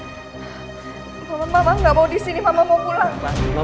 bapak mama nggak mau di sini mama mau pulang